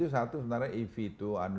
unten antara kompetitifnya yang ini